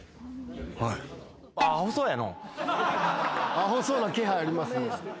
アホそうな気配ありますね。